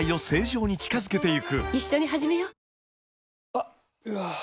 あっ、うわー。